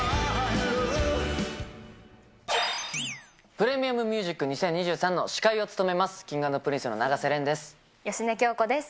ＰｒｅｍｉｕｍＭｕｓｉｃ２０２３の司会を務めますＫｉｎｇ＆Ｐｒｉｎｃｅの永瀬廉です。